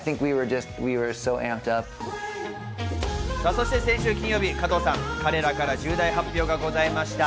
そして先週金曜日、加藤さん、彼らから重大発表がございました。